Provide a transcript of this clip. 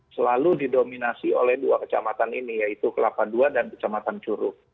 selalu didominasi oleh dua kecamatan ini yaitu kelapa ii dan kecamatan curug